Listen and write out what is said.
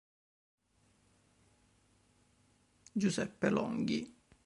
Giuseppe Longhi